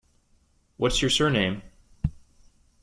What's your surname?